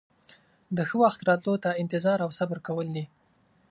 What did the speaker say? د ښه وخت راتلو ته انتظار او صبر کول دي.